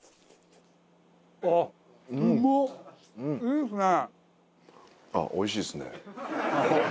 いいですね！